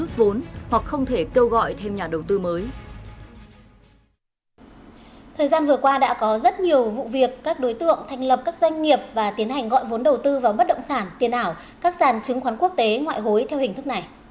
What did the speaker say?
thời gian vừa qua đã có rất nhiều vụ việc các đối tượng thành lập các doanh nghiệp và tiến hành gọi vốn đầu tư vào bất động sản tiền ảo các sàn chứng khoán quốc tế ngoại hối theo hình thức này